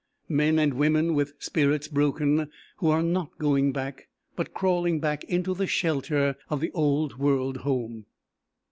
Men and women with spirits broken, who are not going back, but crawling back into the shelter of the Old World home.